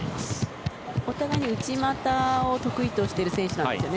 お互いに内股を得意としている選手なんですよね。